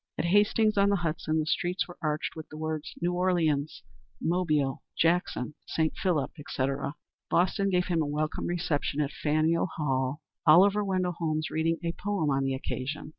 At Hastings on the Hudson, the streets were arched with the words "New Orleans," "Mobile," "Jackson," "St. Philip," etc. Boston gave him a welcome reception at Faneuil Hall, Oliver Wendell Holmes reading a poem on the occasion.